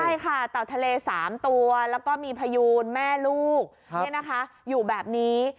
ใช่ค่ะเต่าทะเล๓ตัวแล้วก็มีพยูนแม่ลูกอยู่แบบนี้